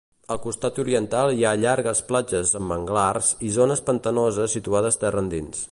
Al costat oriental hi ha llargues platges amb manglars i zones pantanoses situades terra endins.